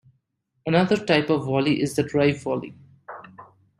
Another type of volley is the drive volley.